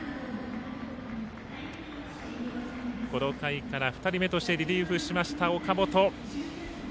この回から、２人目としてリリーフしました、岡本。